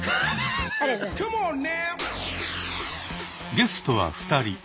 ゲストは２人。